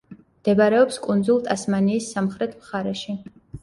მდებარეობს კუნძულ ტასმანიის სამხრეთ მხარეში.